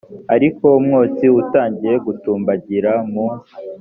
ariko umwotsi utangiye gutumbagira mu